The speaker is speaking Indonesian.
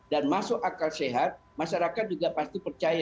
dan masuk akal sehat masyarakat juga pasti percaya